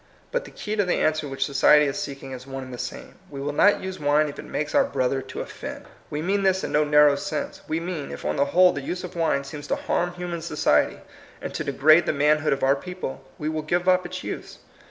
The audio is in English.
But the key to the answer which society is seeking is one and the same. We will not use wine if it makes our brother to offend. We mean this in no narrow sense. We mean, if on the whole the use of wine seems to liarm human society, and to degrade the man hood of our people, we will give up its use.